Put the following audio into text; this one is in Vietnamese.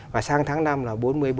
và sang tháng năm là bốn mươi bốn mươi năm